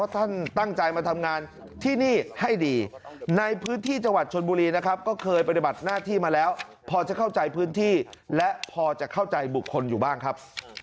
ท่านตั้งใจมาทำงานที่นี่ให้ดีในพื้นที่จังหวัดชนบุรีนะครับก็เคยปฏิบัติหน้าที่มาแล้วพอจะเข้าใจพื้นที่และพอจะเข้าใจบุคคลอยู่บ้างครับ